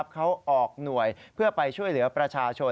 เขาออกหน่วยเพื่อไปช่วยเหลือประชาชน